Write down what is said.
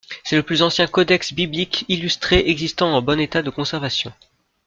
C'est le plus ancien codex biblique illustré existant en bon état de conservation.